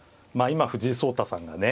今藤井聡太さんがね